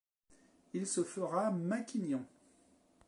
Il se fera maquignon.